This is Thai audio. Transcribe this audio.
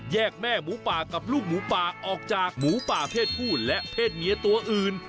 จัดแม่หมูปากับลูกหมูปาออกจากหมูปาเพศผู้เพศเนี้ยตัวอื่น